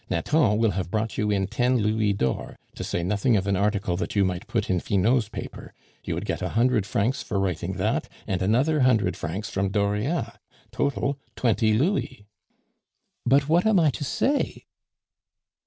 "Nathan will have brought you in ten louis d'or, to say nothing of an article that you might put in Finot's paper; you would get a hundred francs for writing that, and another hundred francs from Dauriat total, twenty louis." "But what am I to say?"